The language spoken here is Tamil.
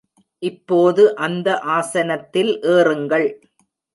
இப்போது அந்த ஆசனத்தில் ஏறுங்கள்.